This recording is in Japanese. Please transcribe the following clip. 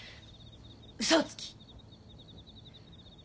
うそつき。